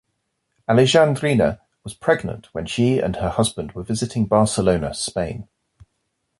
Alejandrina was pregnant when she and her husband were visiting Barcelona, Spain.